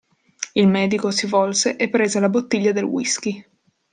Il medico si volse e prese la bottiglia del whisky.